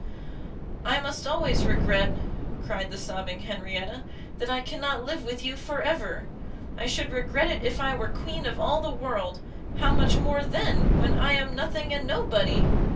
"I must always regret," cried the sobbing Henrietta, "that I cannot live with you for ever! I should regret it if I were queen of all the world, how much more then, when I am nothing and nobody!